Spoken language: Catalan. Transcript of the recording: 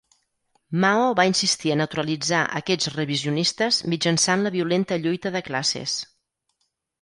Mao va insistir a neutralitzar aquests "revisionistes" mitjançant la violenta lluita de classes.